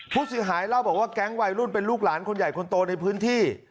ผู้เสียหายเล่าบอกว่าแก๊งวัยรุ่นเป็นลูกหลานคนใหญ่คนโตในพื้นที่